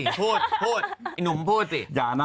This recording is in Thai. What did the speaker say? อีหนุ่มพูดสิ